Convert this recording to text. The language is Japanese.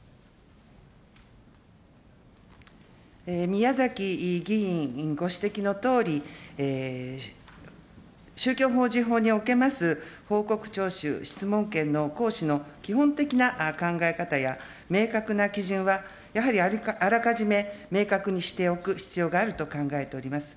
宮崎議員ご指摘のとおり、宗教法人法におけます報告徴収、質問権の行使の基本的な考え方や、明確な基準は、やはりあらかじめ明確にしておく必要があると考えております。